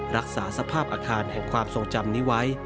รักษาสภาพอาคารแห่งความทรงจำนี้ไว้